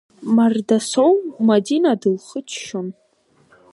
Мардасоу Мадина дылхыччон.